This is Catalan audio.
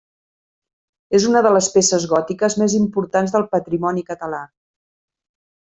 És una de les peces gòtiques més importants del patrimoni català.